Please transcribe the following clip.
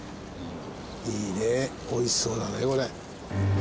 いいねえおいしそうだねこれ。